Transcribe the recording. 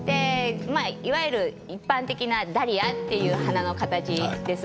いわゆる一般的なダリアという花の形です。